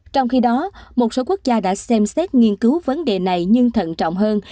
trong khi đó một số quốc gia đã xem xét nghiên cứu vấn đề này nhưng thận trọng hơn